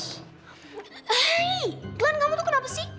hei glenn kamu luker apa sih